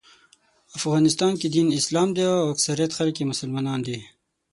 افغانستان کې دین اسلام دی او اکثریت خلک مسلمانان دي.